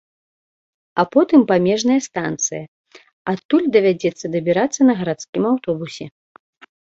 А потым памежная станцыя, адтуль давядзецца дабірацца на гарадскім аўтобусе.